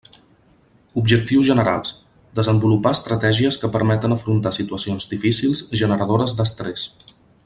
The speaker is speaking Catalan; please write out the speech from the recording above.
Objectius generals: desenvolupar estratègies que permeten afrontar situacions difícils generadores d'estrés.